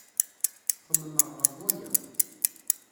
Xemmemeɣ ɣef waya.